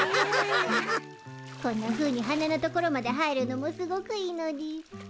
こんなふうに鼻のところまで入るのもすごくいいのでぃす。